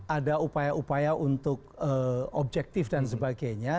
ada upaya upaya untuk objektif dan sebagainya